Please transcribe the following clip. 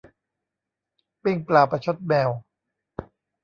ปิ้งปลาประชดแมว